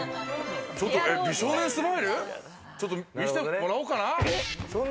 美少年スマイル、見せてもらおうかな。